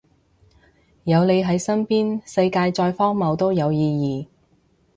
有你喺身邊，世界再荒謬都有意義